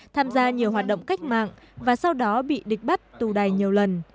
tham gia nhiều hoạt động cách mạng và sau đó bị địch bắt tù đài nhiều lần